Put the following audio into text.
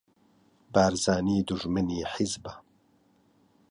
بارزانی دوژمنی حیزبە